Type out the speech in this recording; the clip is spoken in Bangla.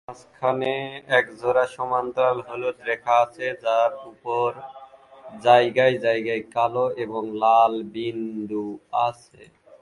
পিঠের মাঝখানে একজোড়া সমান্তরাল হলুদ রেখা আছে যার ওপর জায়গায় জায়গায় কালো এবং লাল বিন্দু আছে।